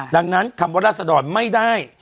ดังนั้นคำว่าราศดรไม่ได้